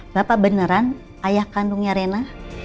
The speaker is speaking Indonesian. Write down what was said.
bapak beneran ayah kandungnya rena